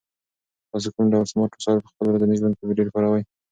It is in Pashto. تاسو کوم ډول سمارټ وسایل په خپل ورځني ژوند کې ډېر کاروئ؟